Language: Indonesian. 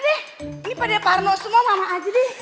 dede ini padahal parno semua mama aja deh